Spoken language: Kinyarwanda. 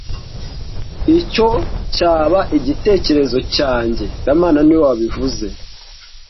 Icyo cyaba igitekerezo cyanjye kamana niwe wabivuze